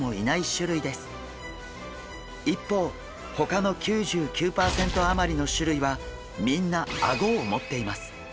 一方ほかの９９パーセント余りの種類はみんなアゴを持っています。